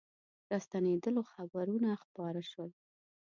راستنېدلو خبرونه خپاره سول.